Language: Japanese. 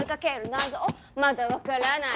謎まだ分からない